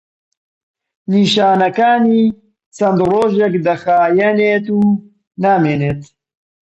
نیشانەکانی چەند ڕۆژێک دەخایەنێت و نامێنێت.